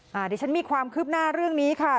เดี๋ยวฉันมีความคืบหน้าเรื่องนี้ค่ะ